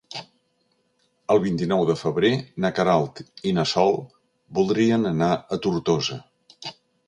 El vint-i-nou de febrer na Queralt i na Sol voldrien anar a Tortosa.